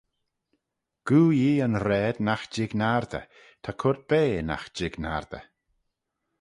Goo Yee yn raad nagh jig naardey ta coyrt bea nagh jig naardey.